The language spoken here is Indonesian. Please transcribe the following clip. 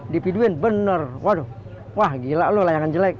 dipiduin benar waduh wah gila lo layangan jelek